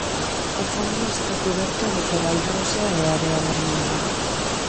O fondo está cuberto de coral rosa e area vermella.